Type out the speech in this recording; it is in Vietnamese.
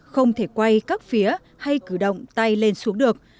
không thể quay các phía hay cử động tay lên xuống được